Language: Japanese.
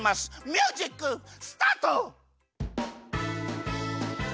ミュージックスタート！